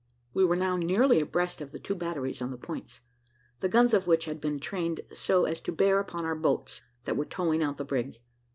We were now nearly abreast of the two batteries on the points, the guns of which had been trained so as to bear upon our boats that were towing out the brig.